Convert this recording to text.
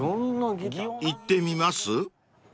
［行ってみます？］